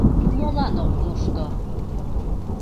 Молан ок мошто?